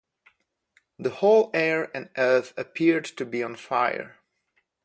The whole air and earth appeared to be on fire.